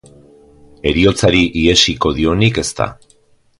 Heriotzari ihesiko dionik ez da.